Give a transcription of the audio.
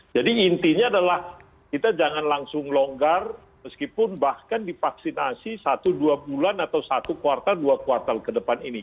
jadi intinya adalah kita jangan langsung longgar meskipun bahkan dipaksinasi satu dua bulan atau satu kuartal dua kuartal ke depan ini